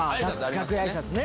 楽屋挨拶ね。